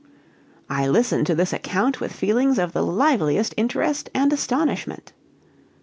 I listened to this account with feelings of the liveliest interest and astonishment.